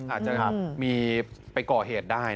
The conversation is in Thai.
อาจจะมีไปก่อเหตุได้